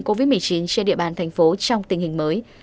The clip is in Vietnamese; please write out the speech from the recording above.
covid một mươi chín trên địa bàn thành phố trong tình hình mới